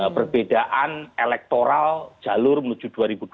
perbedaan elektoral jalur menuju dua ribu dua puluh